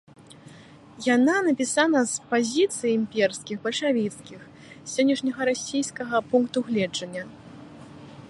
Яна напісана з пазіцый імперскіх, бальшавіцкіх, з сённяшняга расійскага пункту гледжання.